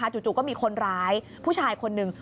จู่ก็มีคนร้ายผู้ชายคนหนึ่ง